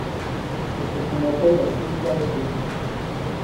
C’est ce qu’on appelle la solidarité.